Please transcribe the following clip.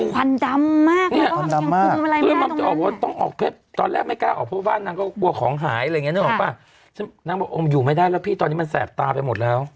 ควันดำมากคือมันต้องออกตอนแรกไม่กล้าออกเพราะบ้านนางก็กลัวของหายอะไรอย่างเงี้ยนางบอกว่าอยู่ไม่ได้แล้วพี่ตอนนี้มันแสบตาไปหมดแล้ว